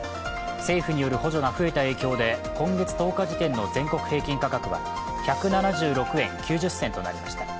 政府による補助が増えた影響で今月１０日時点の全国平均価格は１７６円９０銭となりました。